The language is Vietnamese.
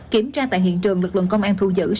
kiểm tra tại hiện trường lực lượng công an thu giữ